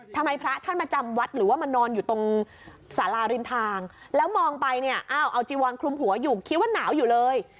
พระท่านมาจำวัดหรือว่ามานอนอยู่ตรงสาราริมทางแล้วมองไปเนี่ยอ้าวเอาจีวอนคลุมหัวอยู่คิดว่าหนาวอยู่เลย